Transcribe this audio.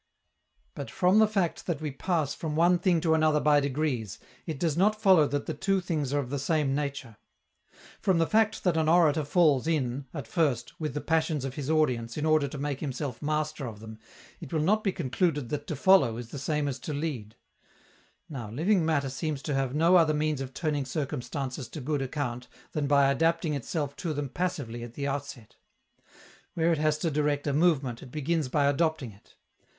But, from the fact that we pass from one thing to another by degrees, it does not follow that the two things are of the same nature. From the fact that an orator falls in, at first, with the passions of his audience in order to make himself master of them, it will not be concluded that to follow is the same as to lead. Now, living matter seems to have no other means of turning circumstances to good account than by adapting itself to them passively at the outset. Where it has to direct a movement, it begins by adopting it.